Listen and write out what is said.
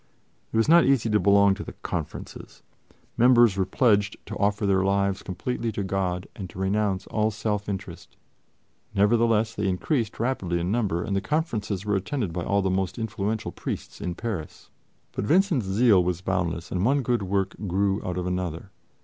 It was not easy to belong to the "Conferences." Members were pledged to offer their lives completely to God and to renounce all self interest. Nevertheless, they increased rapidly in number, and the Conferences were attended by all the most influential priests in Paris. But Vincent's zeal was boundless, and one good work grew out of another.